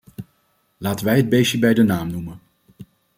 Laten wij het beestje bij de naam noemen.